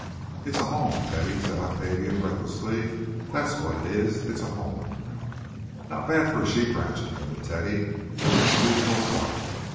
"It's a home, Teddy," said Octavia, breathlessly; that's what it is—it's a home." "Not so bad for a sheep ranch," admitted Teddy, with excusable pride.